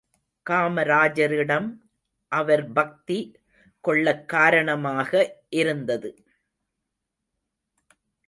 காமராஜரிடம் அவர் பக்தி கொள்ளக் காரணமாக இருந்தது.